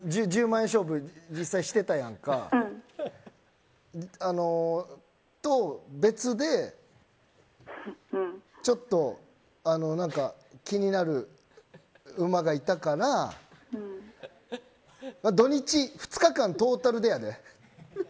で、今、１０万円勝負実際してたやんか。と、別でちょっと気になる馬がいたから土日、２日間トータルでやで。